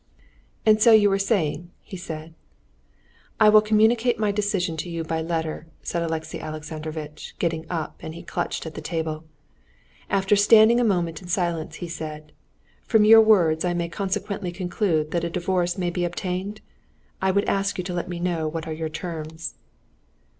"And so you were saying?..." he said. "I will communicate my decision to you by letter," said Alexey Alexandrovitch, getting up, and he clutched at the table. After standing a moment in silence, he said: "From your words I may consequently conclude that a divorce may be obtained? I would ask you to let me know what are your terms."